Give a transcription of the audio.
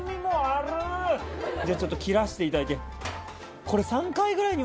じゃあちょっと切らせていただいてこれ。